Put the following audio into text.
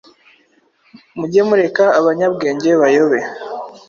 mujye mureka abanyabwenge bayobe